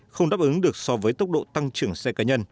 không đáp ứng được so với tốc độ tăng trưởng xe cá nhân